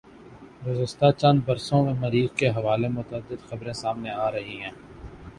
گزشتہ چند بر سوں میں مریخ کے حوالے متعدد خبریں سامنے آرہی ہیں